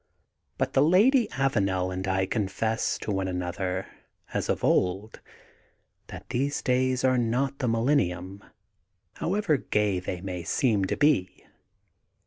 But the Lady Avanel and I confess to one another, as of old, that these days are not the millenninm, however gay they seem to be.